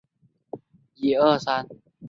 以下的列表列出北朝所有的藩王。